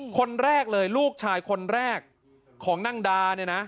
คนแรกเลยลูกชายคนแรกของนางดา